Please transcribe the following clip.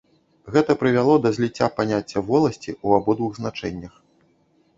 Гэта прывяло да зліцця паняцця воласці ў абодвух значэннях.